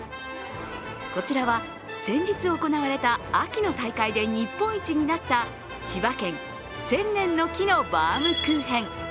こちらは先日行われた秋の大会で日本一になった千葉県、せんねんの木のバウムクーヘン。